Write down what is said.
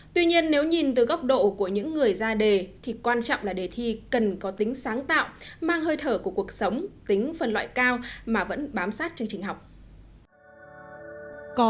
tuy nhiên nếu nhìn từ góc độ của những người ra đề thì quan trọng là đề thi cần có tính sáng tạo mang hơi thở của cuộc sống tính phần loại cao mà vẫn bám sát chương trình học